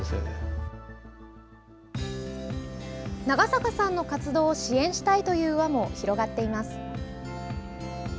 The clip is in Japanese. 長坂さんの活動を支援したいという輪も広がっています。